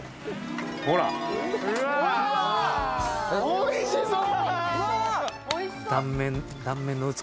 おいしそう！